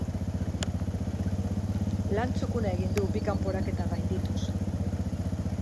Lan txukuna egin du, bi kanporaketa gaindituz.